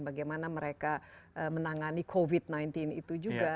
bagaimana mereka menangani covid sembilan belas itu juga